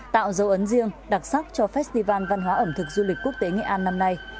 tạo dấu ấn riêng đặc sắc cho festival văn hóa ẩm thực du lịch quốc tế nghệ an năm nay